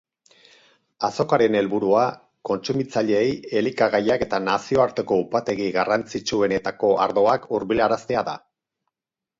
Azokaren helburua kontsumitzaileei elikagaiak eta nazioarteko upategi garrantzitsuenetako ardoak hurbilaraztea da.